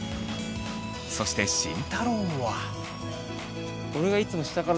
そして慎太郎は。